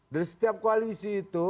dari setiap koalisi itu